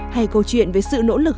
hay câu chuyện về sự nỗ lực